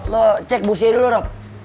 lo cek busi dulu rob